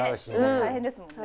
大変ですもんね。